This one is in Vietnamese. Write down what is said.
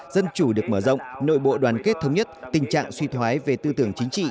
dân chủ được mở rộng nội bộ đoàn kết thống nhất tình trạng suy thoái về tư tưởng chính trị